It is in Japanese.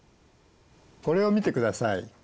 これを見てください。